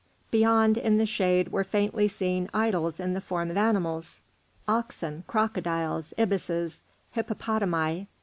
Beyond, in the shade, were faintly seen idols in form of animals, oxen, crocodiles, ibises, hippopotami.